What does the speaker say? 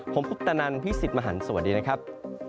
ผมพุฒธนันทร์พี่สิทธิ์มหันธ์สวัสดีนะครับ